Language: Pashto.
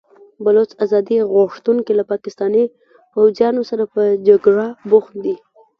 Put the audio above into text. بلوڅ ازادي غوښتونکي له پاکستاني پوځیانو سره په جګړه بوخت دي.